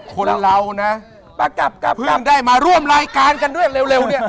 คนเรานะพึ่งได้มาร่วมลายการกันเร็ว